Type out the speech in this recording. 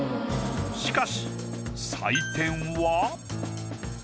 しかし採点は。